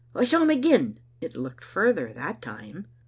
I saw him again!" "It looked further that time."